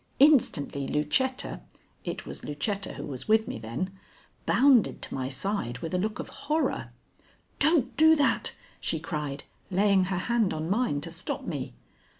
Instantly Lucetta it was Lucetta who was with me then bounded to my side with a look of horror. "Don't do that!" she cried, laying her hand on mine to stop me.